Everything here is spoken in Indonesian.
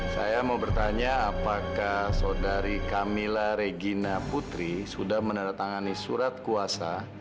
saya mau bertanya apakah saudari camilla regina putri sudah menandatangani surat kuasa